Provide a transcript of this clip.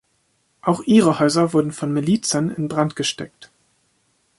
Auch ihre Häuser wurden von Milizen in Brand gesteckt.